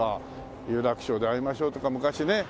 『有楽町で逢いましょう』とか昔ね。